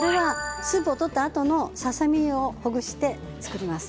スープを取ったあとのささ身をほぐして作ります。